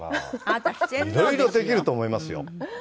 色々できると思いますよ。